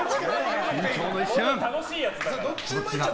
緊張の一瞬。